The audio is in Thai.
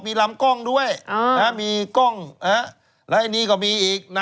มีลำกล้องด้วยมีกล้องและอันนี้ก็มีอีก